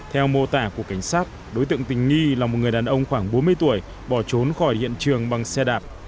theo mô tả của cảnh sát đối tượng tình nghi là một người đàn ông khoảng bốn mươi tuổi bỏ trốn khỏi hiện trường bằng xe đạp